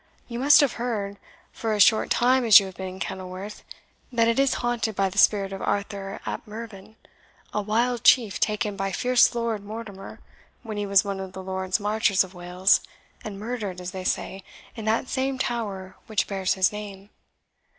You must have heard, for as short time as you have been in Kenilworth, that it is haunted by the spirit of Arthur ap Mervyn, a wild chief taken by fierce Lord Mortimer when he was one of the Lords Marchers of Wales, and murdered, as they say, in that same tower which bears his name."